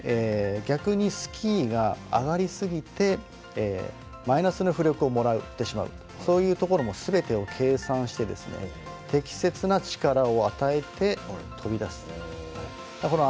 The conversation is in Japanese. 逆にスキーが上がり過ぎてマイナスの浮力をもらってしまうそういうところもすべてを計算して適切な力を与えて飛び出す。